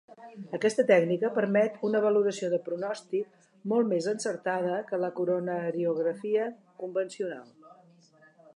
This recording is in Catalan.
Aquesta tècnica permet una valoració de pronòstic molt més encertada que la coronariografia convencional.